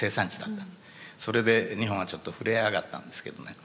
それで日本はちょっと震え上がったんですけどね。